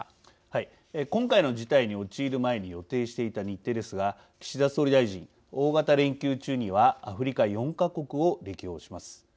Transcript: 今回の事態に陥る前に予定していた日程ですが岸田総理大臣、大型連休中にはアフリカ４か国を歴訪します。